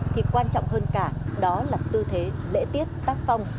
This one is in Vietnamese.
thì quan trọng hơn cả đó là tư thế lễ tiết tác phong